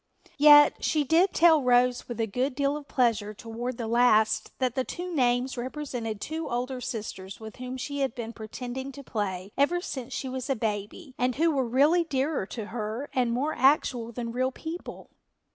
Yet she did tell Rose with a good deal of pleasure toward the last that the two names represented two older sisters with whom she had been pretending to play ever since she was a baby and who were really dearer to her and more actual than real people.